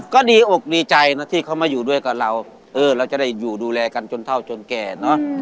ก็ดีอกดีใจนะที่เขามาอยู่ด้วยกับเราเออเราจะได้อยู่ดูแลกันจนเท่าจนแก่เนอะ